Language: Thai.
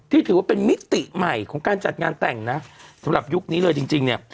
ถือว่าเป็นมิติใหม่ของการจัดงานแต่งนะสำหรับยุคนี้เลยจริงเนี่ย